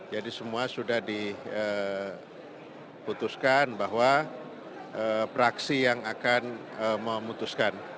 jadi semua sudah diputuskan bahwa fraksi yang akan memutuskan